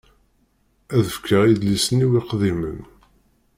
Ad fkeɣ idlisen-iw iqdimen.